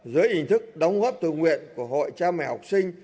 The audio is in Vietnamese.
dưới hình thức đóng góp tự nguyện của hội cha mẹ học sinh